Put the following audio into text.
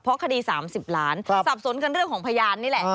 เพราะคดี๓๐ล้านสับสนกันเรื่องของพยานนี่แหละ